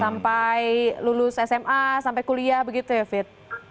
sampai lulus sma sampai kuliah begitu ya fit